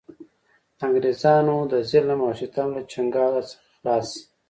د انګرېزانو د ظلم او ستم له چنګاله څخه خلاص شـي.